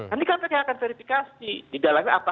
ini kan saya akan verifikasi di dalamnya